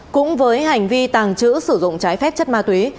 cũng với hành vi tàng trữ sử dụng trái phép chất ma túy